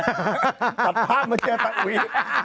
ตัดภาพมาเจอตาอุ๋ย